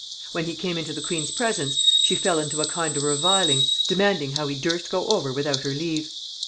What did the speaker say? When he came into the queen's presence, she fell into a kind of reviling, demanding how he durst go over without her leave?